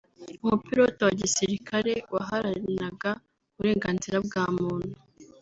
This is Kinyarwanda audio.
Umupilote wa gisirikare waharaniraga uburenganzira bwa muntu